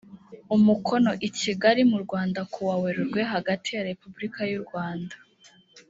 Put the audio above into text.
umukono i kigali mu rwanda kuwa werurwe hagati ya repubulika y u rwanda